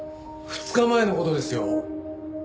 ２日前の事ですよ？